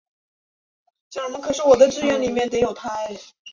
无线一般指的是无线电或无线电波。